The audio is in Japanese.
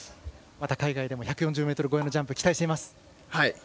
また海外でも１４０ｍ越えのジャンプ、期待しています。